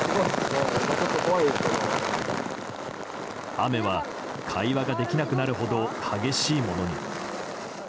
雨は会話ができなくなるほど激しいものに。